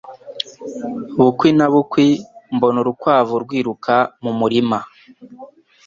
Bukwi na bukwi mbona urukwavu rwiruka mu murima